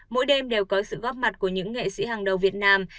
mỗi đêm đều có sự góp mặt của những nghệ sĩ hàng đầu việt nam